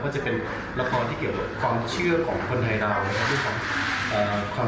ก็จะเป็นละครที่เกี่ยวกับความเชื่อของคนไทยเรานะครับ